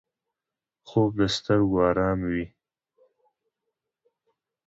خوب د سترګو آراموي